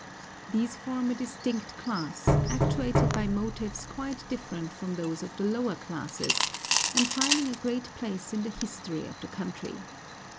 These form a distinct class, actuated by motives quite different from those of the lower classes, and filling a great place in the history of the country.